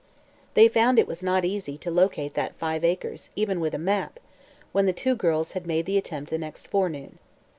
They found it was not easy to locate that five acres, even with a map, when the two girls made the attempt the next forenoon.